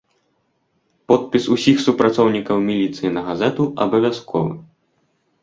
Подпіс усіх супрацоўнікаў міліцыі на газету абавязковы.